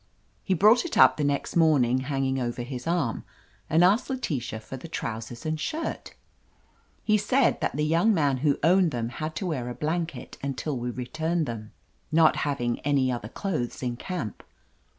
He brought it up the next morning, hang ing over his arm, and asked Letitia for the trousers and shirt! He said that the young man who owned them had to wear a blanket 285 r^ THE AMAZING ADVENTURES until we returned them, not having any other clothes in camp.